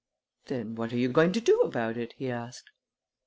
"Then what are you going to do about it?" he asked.